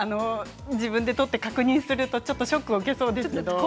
自分で撮って確認するとちょっとショックを受けそうです。